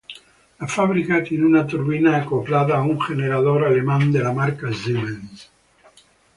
La fábrica tiene una turbina acoplada a un generador alemán de la marca Siemens.